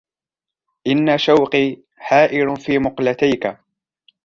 إنّ شوقي حائر في مقلتيك